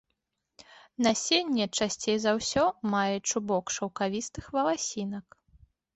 Насенне часцей за ўсё мае чубок шаўкавістых валасінак.